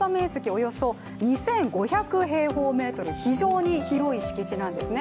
およそ２５００平方メートル非常に広い敷地なんですね。